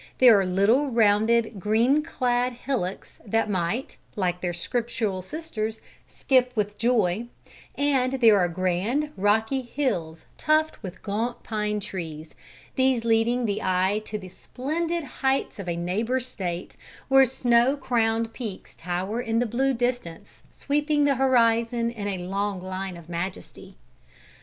There are little, rounded, green clad hillocks that might, like their scriptural sisters, "skip with joy," and there are grand, rocky hills tufted with gaunt pine trees these leading the eye to the splendid heights of a neighbour State, where snow crowned peaks tower in the blue distance, sweeping the horizon in a long line of majesty.